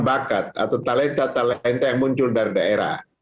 bakat atau talenta talenta yang muncul dari daerah